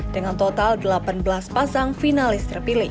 dengan total delapan belas pasang finalis terpilih